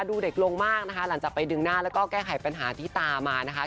ดูเด็กลงมากนะคะหลังจากไปดึงหน้าแล้วก็แก้ไขปัญหาที่ตามมานะคะ